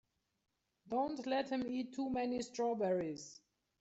Don't let him eat too many strawberries.